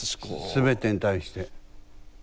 全てに対して。